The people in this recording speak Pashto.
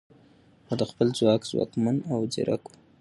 هغه د خپل ځواک ځواکمن او ځیرک و.